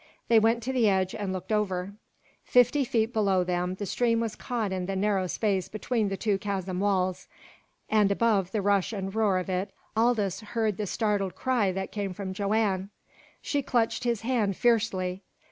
They went to the edge and looked over. Fifty feet below them the stream was caught in the narrow space between the two chasm walls, and above the rush and roar of it Aldous heard the startled cry that came from Joanne. She clutched his hand fiercely.